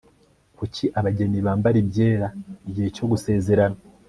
kuki abageni bambara ibyera igihe cyo gusezerana